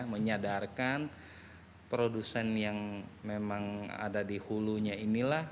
menyadarkan produsen yang memang ada di hulunya inilah